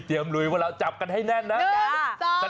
เตรียมลุยว่าเราจับกันให้แน่นนะนึงสองสาม